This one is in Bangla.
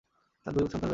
তার দুই সন্তান রয়েছে।